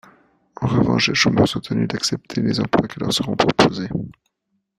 En revanche, les chômeurs sont tenus d’accepter les emplois qui leur sont proposés.